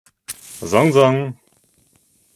— Зың-зың!